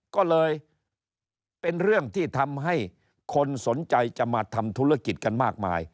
ก็เลยเป็นเรื่องที่ทำให้คนสนใจจะมาทำธุรกิจกันมากมาย